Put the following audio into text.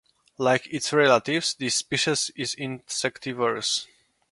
Like its relatives, this species is insectivorous.